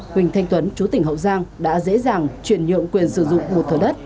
huỳnh thanh tuấn chú tỉnh hậu giang đã dễ dàng chuyển nhượng quyền sử dụng một thửa đất